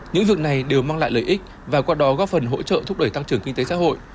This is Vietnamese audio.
những việc này đều mang lại lợi ích và qua đó góp phần hỗ trợ thúc đẩy tăng trưởng kinh tế xã hội